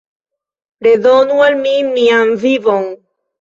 Redonu al mi mian vivon!